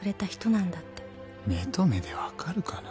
目と目で分かるかな？